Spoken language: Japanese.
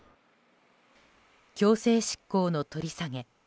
強制執行の取り下げ。